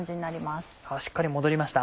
しっかりもどりました。